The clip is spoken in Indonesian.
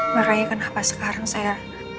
makanya kenapa sekarang saya